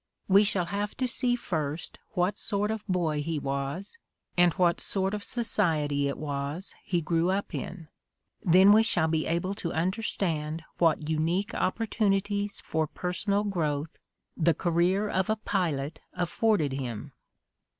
"We shall have to see first what sort of boy he was, and what sort of society it was he grew up in; then we shall be able to under stand what unique opportunities for personal growth the career of a pilot afforded him.